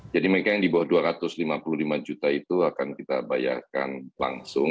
jadi mereka yang di bawah rp dua ratus lima puluh lima juta itu akan kita bayarkan langsung